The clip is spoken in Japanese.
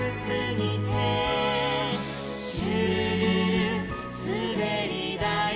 「シュルルルすべりだい」